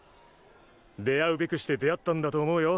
出会うべくして出会ったんだと思うよ